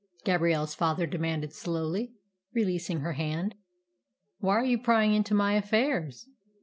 Gabrielle's father demanded slowly, releasing her hand. "Why are you prying into my affairs?"